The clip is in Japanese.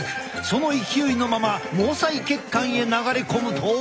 その勢いのまま毛細血管へ流れ込むと。